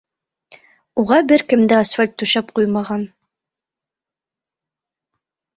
Уға бер кем дә асфальт түшәп ҡуймаған.